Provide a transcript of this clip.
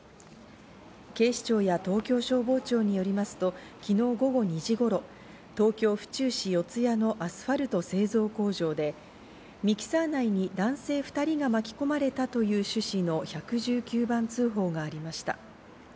警視庁や東京消防庁によりますと昨日午後２時頃、東京・府中市四谷のアスファルト製造工場でミキサー内に男性２人が巻き込まれたという趣旨の１１９番通報がありました。